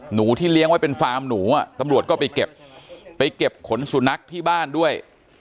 หนูที่เลี้ยงไว้เป็นฟาร์มหนูอ่ะตำรวจก็ไปเก็บไปเก็บขนสุนัขที่บ้านด้วย